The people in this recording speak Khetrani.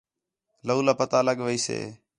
لَولا پتہ لڳ ویسے